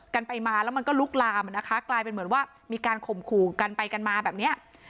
กันไปมาแล้วมันก็ลุกลามอ่ะนะคะกลายเป็นเหมือนว่ามีการข่มขู่กันไปกันมาแบบเนี้ย